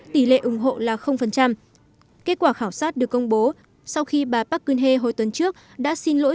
tỷ lệ ủng hộ là kết quả khảo sát được công bố sau khi bà park geun hye hồi tuần trước đã xin lỗi